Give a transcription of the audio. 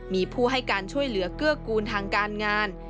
มีผู้ให้การช่วยเหลือเกื้อกูลทางการงาน